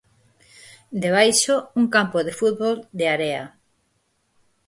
Debaixo, un campo de fútbol de area.